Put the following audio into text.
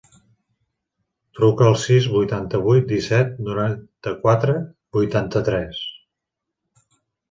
Truca al sis, vuitanta-vuit, disset, noranta-quatre, vuitanta-tres.